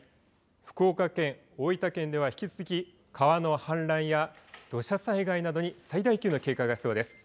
福岡県、大分県では引き続き川の氾濫や土砂災害などに最大級の警戒が必要です。